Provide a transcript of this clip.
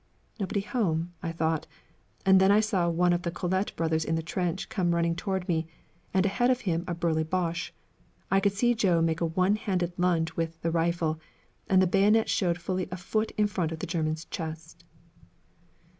'Nobody home,' I thought; and then I saw one of the Collette brothers in the trench come running toward me, and ahead of him a burly Boche. I could see Joe make a one handed lunge with the rifle, and the bayonet showed fully a foot in front of the German's chest.